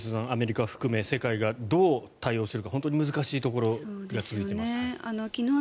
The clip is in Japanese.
アメリカ含め世界がどう対応するか本当に難しいところが続いています。